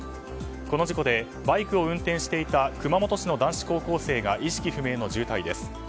この事故でバイクを運転していた熊本市の男子高校生が意識不明の重体です。